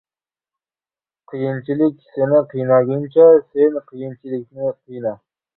• Qiyinchilik seni qiynaguncha, sen qiyinchilikni qiyna.